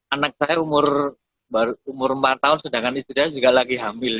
anak saya umur empat tahun sedangkan istri saya juga lagi hamil